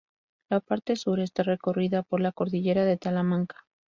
La parte sur está recorrida por la Cordillera de Talamanca.